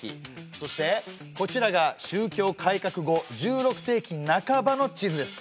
そしてこちらが宗教改革後１６世紀なかばの地図です。